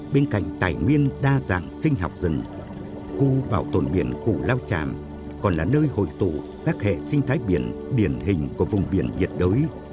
bên cạnh tài nguyên đa dạng sinh học rừng khu bảo tồn biển củ lao tràm còn là nơi hội tụ các hệ sinh thái biển điển hình của vùng biển nhiệt đới